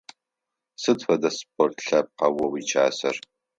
Сыд фэдэ спорт лъэпкъа о уикӀасэр?